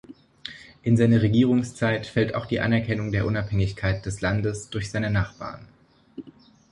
In seine Regierungszeit fällt auch die Anerkennung der Unabhängigkeit des Landes durch seine Nachbarn.